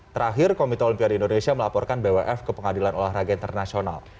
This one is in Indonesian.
terakhir komite olimpiade indonesia melaporkan bwf ke pengadilan olahraga internasional